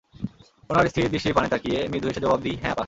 ওনার স্থির দৃষ্টির পানে তাকিয়ে মৃদু হেসে জবাব দিই, হ্যাঁ আপা।